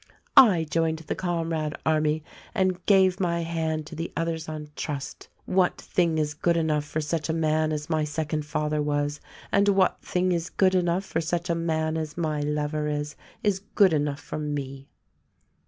I joined the Comrade army and gave my hand to the others on trust: what thing is good enough for such a man as my second father was, and what thing is good enough for such a man as my lover is, is good enough for me."